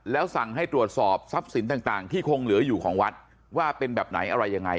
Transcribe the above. แล้วสั่งให้ตรวจสอบทรัพย์สินต่างที่คงเหลืออยู่ของวัดว่าเป็นแบบไหนอะไรยังไง